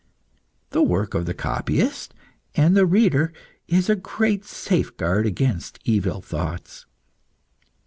The work of the copyist and the reader is a great safeguard against evil thoughts.